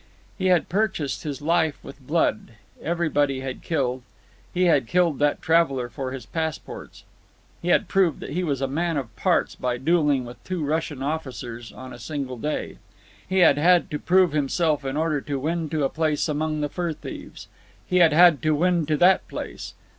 He had purchased his life with blood. Everybody had killed. He had killed that traveller for his passports. He had proved that he was a man of parts by duelling with two Russian officers on a single day. He had had to prove himself in order to win to a place among the fur thieves. He had had to win to that place.